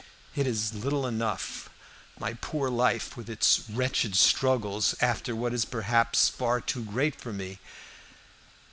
"It is little enough my poor life, with its wretched struggles after what is perhaps far too great for me.